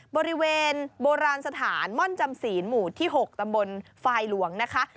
บริเวณโบราณสถานม่อนจำศีลหมู่ที่๖ตำบลฟายหลวงนะคะ